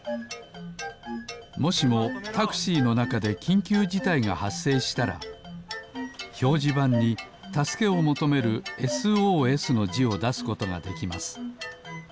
もしもタクシーのなかできんきゅうじたいがはっせいしたらひょうじばんにたすけをもとめるＳＯＳのじをだすことができます。